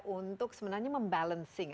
untuk sebenarnya membalancing